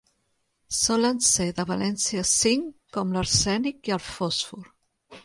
Solen ser de valència cinc, com l'arsènic i el fòsfor.